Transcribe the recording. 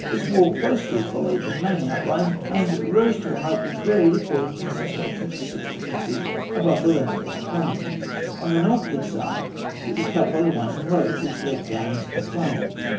This wall closely followed the main outline, and rose to a height which varied according to the situation from six to ten feet above the level of the plain. On the northward side it was cut by the winding road, which led down into the plain.